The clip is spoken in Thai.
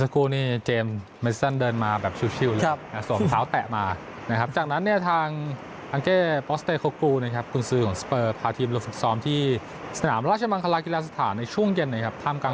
คุณจะเห็นว่าเราเป็นท่านที่สุดในฐานะนักเตะ